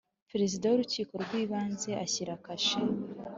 Perezida w urukiko rw ibanze ashyira kashe